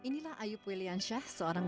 berat mencapai delapan kg